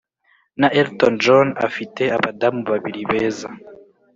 na elton john afite abadamu babiri beza